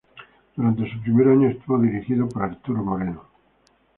Durante su primer año estuvo dirigida por Arturo Moreno.